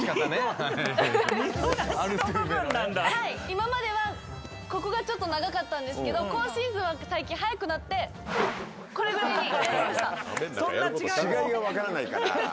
今まではここがちょっと長かったんですけど今シーズンは、最近速くなってこれぐらいに。